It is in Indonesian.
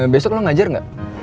besok lo ngajar gak